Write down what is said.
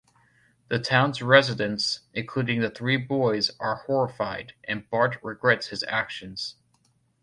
The town's residents, including the three boys, are horrified and Bart regrets his actions.